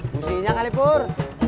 musihnya kali pur